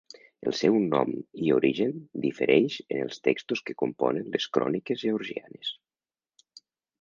El seu nom i origen difereix en els textos que componen les cròniques georgianes.